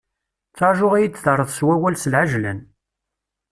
Ttrajuɣ ad iyi-d-terreḍ s wawal s lɛejlan.